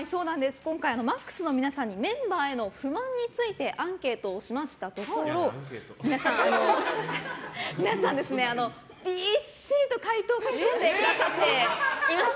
今回ＭＡＸの皆さんにメンバーへの不満についてアンケートをしましたところ皆さん、びっしりと書いてくださって。